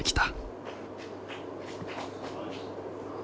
はい！